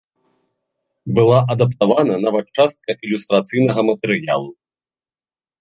Была адаптавана нават частка ілюстрацыйнага матэрыялу.